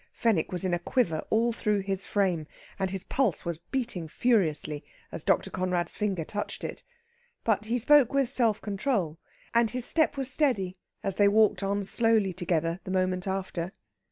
Fenwick was in a quiver all through his frame, and his pulse was beating furiously as Dr. Conrad's finger touched it. But he spoke with self control, and his step was steady as they walked on slowly together the moment after.